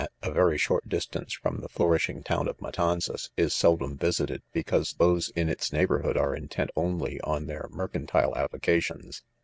at a very short distance from the flourishing town of Matanzas, is seldom visited, because those in its neighborhood are intent only on their mep cantile avocations.